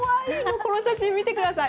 この写真見てください